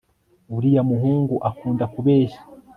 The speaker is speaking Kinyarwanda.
uriya muhungu akunda kubeshya